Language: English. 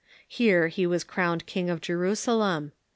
Here he was crowned King of Jerusalem.